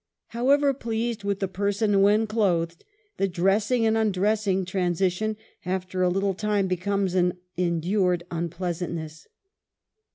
However pleased with the person when clothed, the dressing and undressing transition, after a little time, becomes an endured unpleasantness.